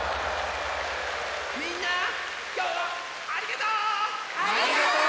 みんなきょうはありがとう！